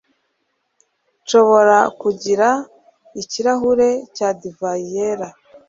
nshobora kugira ikirahure cya divayi yera